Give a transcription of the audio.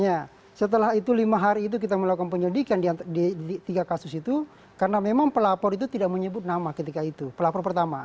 ya setelah itu lima hari itu kita melakukan penyelidikan di tiga kasus itu karena memang pelapor itu tidak menyebut nama ketika itu pelapor pertama